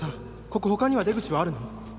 ここ他には出口はあるの？